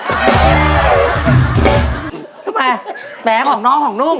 ทำไมแม้ของน้องของนุ่ม